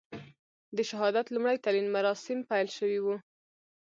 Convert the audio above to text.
د شهادت لومړي تلین مراسیم پیل شوي و.